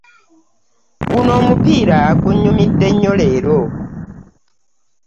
Guno omupiira gunyumidde nnyo leero.